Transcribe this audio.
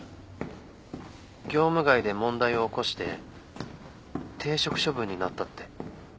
業務外で問題を起こして停職処分になったって。